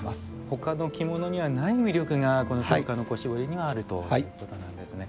ほかの着物にはない魅力がこの京鹿の子絞りにはあるということなんですね。